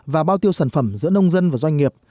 và bao tiêu sản phẩm giữa nông dân và doanh nghiệp